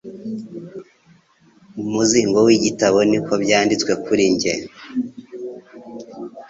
mu muzingo w'igitabo niko byariditswe kuri njye.